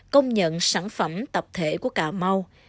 công nhận sản phẩm tập thể của cà mau